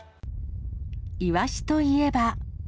イワシといえば。